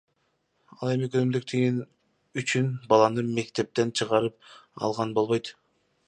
Ал эми күнүмдүк тыйын үчүн баланы мектептен чыгарып алган болбойт.